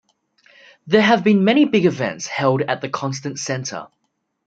There have been many big events held at the Constant Center.